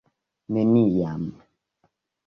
neniam